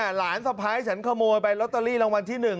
หลานสะพ้ายฉันขโมยไปลอตเตอรี่รางวัลที่๑